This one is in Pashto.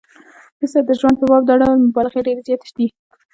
د سید د ژوند په باب دا ډول مبالغې ډېرې زیاتې دي.